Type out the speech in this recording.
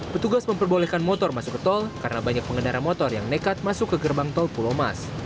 petugas memperbolehkan motor masuk ke tol karena banyak pengendara motor yang nekat masuk ke gerbang tol pulomas